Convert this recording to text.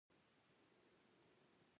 پټو یې پر زنګنونو راکش کړ.